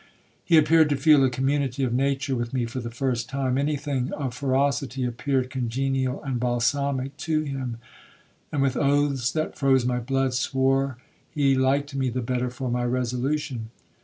He appeared to feel a community of nature with me for the first time. Any thing of ferocity appeared congenial and balsamic to him; and, with oaths, that froze my blood, swore he liked me the better for my resolution.